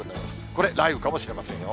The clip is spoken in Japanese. これ、雷雨かもしれませんよ。